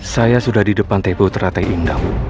saya sudah di depan